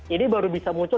ini baru bisa muncul